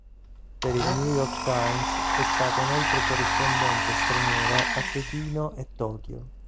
Per il New York Times è stata inoltre corrispondente straniera a Pechino e Tokyo.